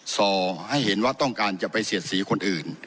ส่อให้เห็นว่าต้องการจะไปเสียดสีคนอื่น